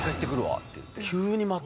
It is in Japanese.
急にまた。